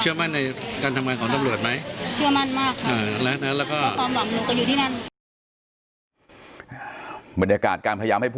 มั่นในการทำงานของตำรวจไหม